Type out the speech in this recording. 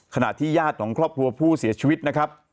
ขณะที่ญาติของครอบครัวผู้เสียชีวิตนะครับ